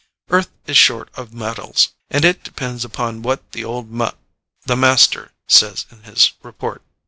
Earth is short of metals, and it depends upon what the old ma the master says in his report."